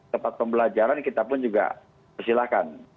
tempat pembelajaran kita pun juga persilahkan